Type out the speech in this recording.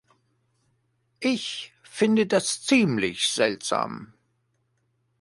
Ich finde das ziemlich seltsam.